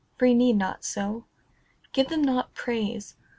For you need not so. Give them not praise.